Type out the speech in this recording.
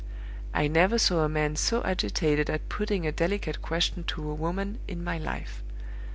I never saw a man so agitated at putting a delicate question to a woman in my life.